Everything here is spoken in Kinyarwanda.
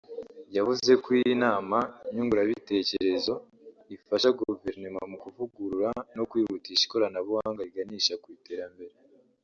yavuze ko iyi nama nyunguranabitekerezo ifasha Guverinoma mu kuvugurura no kwihutisha ikoranabuhanga riganisha ku iterambere